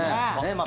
まあ